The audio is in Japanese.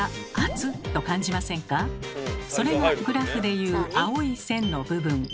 それがグラフでいう青い線の部分。